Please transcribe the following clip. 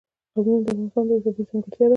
قومونه د افغانستان یوه طبیعي ځانګړتیا ده.